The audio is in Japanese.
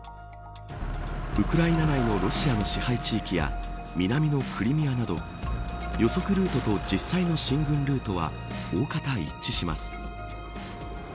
ウクライナ内のロシアの支配地域や南のクリミアなど予測ルートと実際の進軍レートはおおかた一致します。